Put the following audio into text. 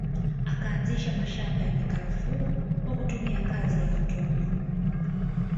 Akaanzisha mashamba ya mikarafuu kwa kutumia kazi ya watumwa